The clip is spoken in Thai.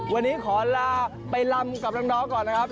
วันนี้ขอลาไปลำกับน้องก่อนนะครับ